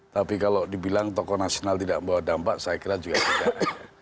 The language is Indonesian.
tapi kalau dibilang tokoh nasional tidak membawa dampak saya kira juga tidak